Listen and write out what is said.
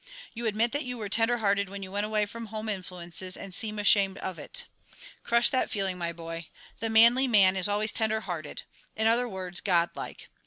You admit that you were tender hearted when you went away from home influences, and seem ashamed of it. Crush that feeling, my boy; the manly man is always tender hearted; in other words, God like.